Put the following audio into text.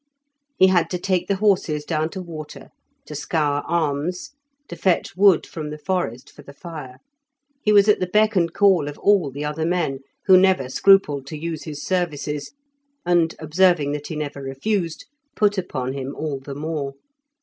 He had to take the horses down to water, to scour arms, to fetch wood from the forest for the fire. He was at the beck and call of all the other men, who never scrupled to use his services, and, observing that he never refused, put upon him all the more.